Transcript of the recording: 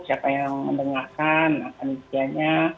siapa yang mendengarkan akan isianya